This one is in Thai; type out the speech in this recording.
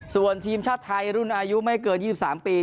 ส่วนทีมชาติไทยรุ่นอายุไม่เกิน๒๓ปี